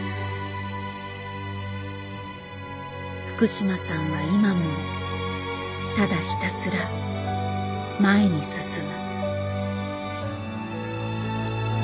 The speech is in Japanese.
福島さんは今もただひたすら前に進む。